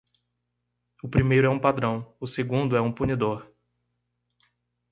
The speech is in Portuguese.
O primeiro é um padrão, o segundo é um punidor.